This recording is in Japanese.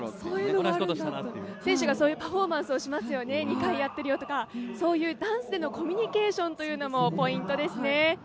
選手がそういうパフォーマンスをしますよね、２回やってるよとかそういうダンスでのコミュニケーションもポイントですね。